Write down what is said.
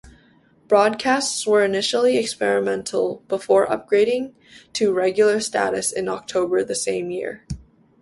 Broadcasts were initially experimental, before upgrading to regular status in October the same year.